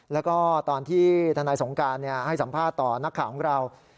แล้วก็ตอนที่ทนายสงการให้สัมภาษณ์ต่อนักข่าวของเรา